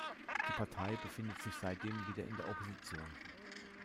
Die Partei befindet sich seitdem wieder in der Opposition.